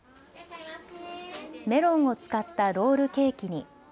メロンを使ったロールケーキに。